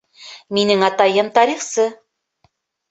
Минең атайым тарихсы